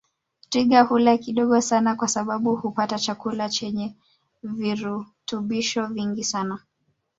Twiga hula kidogo sana kwa sababu hupata chakula chenye virutubisho vingi sana